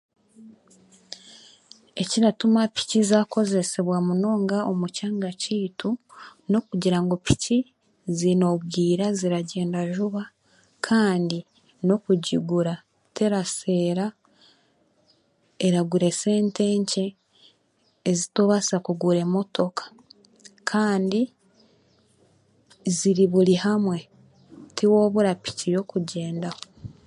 Ekiratuma piiki z'akozesebwa munonga omu kyanga kyeitu n'okugira ngu piiki ziine obwiira ziragyenda juuba kandi n'okugigura teraseera eragura esente nkye ezitobaasa kugura emotoka kandi ziri buri hamwe tiwooburwa piiki y'okugyenderaho.